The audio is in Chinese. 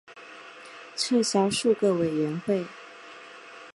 撤销数个委员会。